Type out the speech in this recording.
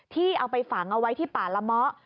ที่เอาไปฝังเอาไว้ที่ป่าละเมาะ